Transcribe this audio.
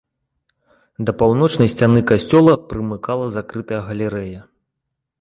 Да паўночнай сцяны касцёла прымыкала закрытая галерэя.